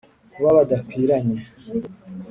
kuba badakwiranye: